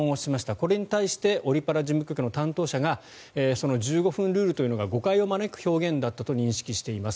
これに対してオリ・パラ事務局の担当者がその１５分ルールは誤解を招く表現だったと認識しています。